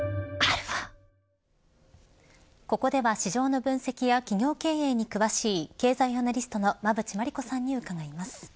ここでは市場の分析や企業経営に詳しい経済アナリストの馬渕磨理子さんに伺います。